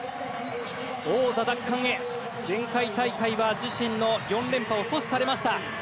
王座奪還へ、前回大会は自身の４連覇を阻止されました。